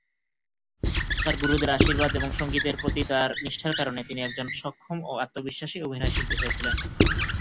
তাঁর গুরুদের আশীর্বাদ এবং সংগীতের প্রতি তাঁর নিষ্ঠার কারণে তিনি একজন সক্ষম ও আত্মবিশ্বাসী অভিনয়শিল্পী হয়েছিলেন।